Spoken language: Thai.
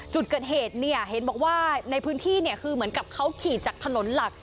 จุดเกิดเหตุเนี่ยเห็นบอกว่าในพื้นที่เนี่ยคือเหมือนกับเขาขี่จากถนนหลัก